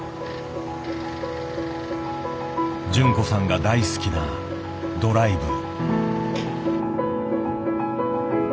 純子さんが大好きなドライブ。